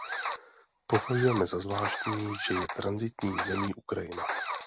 Považujeme za zvláštní, že je tranzitní zemí Ukrajina.